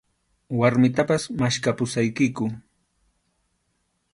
Warmitapas maskhapusaykiku.